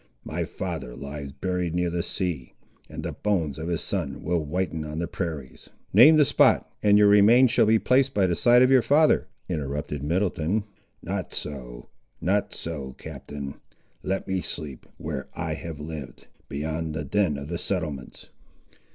My father lies buried near the sea, and the bones of his son will whiten on the prairies—" "Name the spot, and your remains shall be placed by the side of your father," interrupted Middleton. "Not so, not so, Captain. Let me sleep, where I have lived, beyond the din of the settlements!